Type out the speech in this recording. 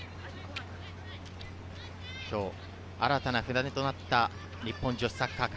今日、新たな船出となった、日本女子サッカー界。